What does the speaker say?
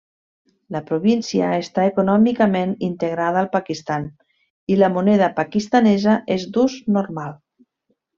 La província està econòmicament integrada al Pakistan, i la moneda pakistanesa és d'ús normal.